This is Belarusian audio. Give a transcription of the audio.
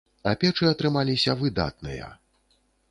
А печы атрымаліся выдатныя.